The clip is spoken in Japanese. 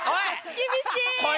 厳しい！